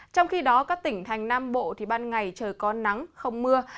trong khi đó các tỉnh thành nam bộ thì ban ngày trời có nắng không mưa